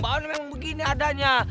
mbak on memang begini adanya